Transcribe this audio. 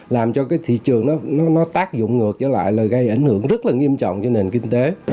làm cho cái thị trường nó tác dụng ngược với lại là gây ảnh hưởng rất là nghiêm trọng cho nền kinh tế